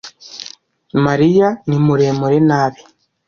mariya ni muremure nabi